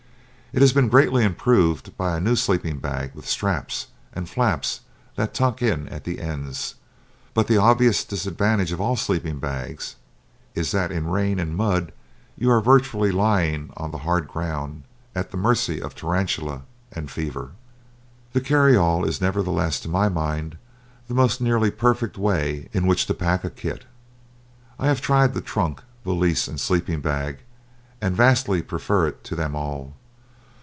It has been greatly improved by a new sleeping bag with straps, and flaps that tuck in at the ends. But the obvious disadvantage of all sleeping bags is that in rain and mud you are virtually lying on the hard ground, at the mercy of tarantula and fever. The carry all is, nevertheless, to my mind, the most nearly perfect way in which to pack a kit. I have tried the trunk, valise, and sleeping bag, and vastly prefer it to them all.